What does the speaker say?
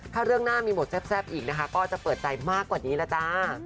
ถ้าเรื่องหน้ามีบทแซ่บอีกนะคะก็จะเปิดใจมากกว่านี้แล้วจ้า